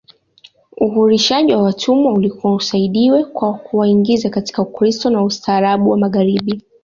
Uhurishaji wa watumwa ulikuwa usaidiwe kwa kuwaingiza katika Ukristo na ustaarabu wa Magharibi